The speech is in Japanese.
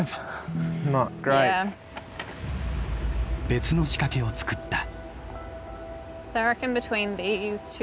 別の仕掛けを作った。